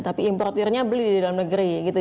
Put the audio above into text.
tapi importernya beli di dalam negeri gitu